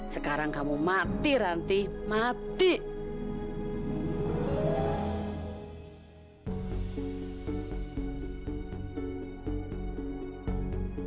sekarang waktunya untuk membalas kematian suamiku